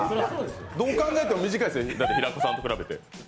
どう考えても短いですよ、平子さんと比べて。